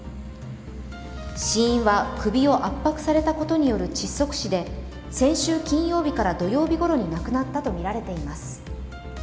死因は首を圧迫されたことによる窒息死で先週金曜日から土曜日ごろに亡くなったとみられています。